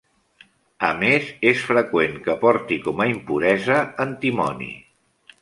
A més, és freqüent que porti com a impuresa antimoni.